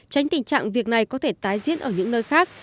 tránh tình trạng việc này có thể tái diễn ở những nơi khác